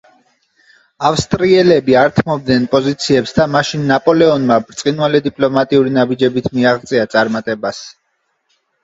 ავსტრიელები არ თმობდნენ პოზიციებს და მაშინ ნაპოლეონმა ბრწყინვალე დიპლომატიური ნაბიჯით მიაღწია წარმატებას.